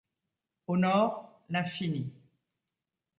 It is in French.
Au nord, l’infini.